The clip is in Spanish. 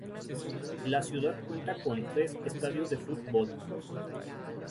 La ciudad cuenta con tres estadios de fútbol.